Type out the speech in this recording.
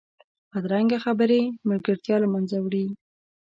بدرنګه خبرې ملګرتیا له منځه وړي